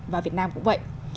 và việt nam cũng vậy